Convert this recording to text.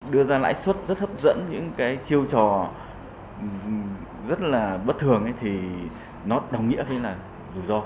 đưa ra lãi suất rất hấp dẫn những cái chiêu trò rất là bất thường thì nó đồng nghĩa với là rủi ro